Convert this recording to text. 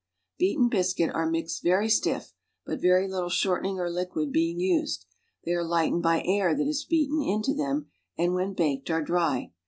lieaten biseuit are mixed \'ery stiff, but very liUle shortening or licjnid being used; they arc lightened by air that is beaten into them and when baked are dry.